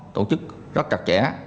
tổ chức rất chặt chẽ